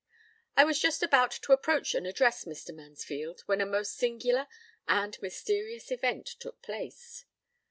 I was just about to approach and address Mr. Mansfield, when a most singular and mysterious event took place.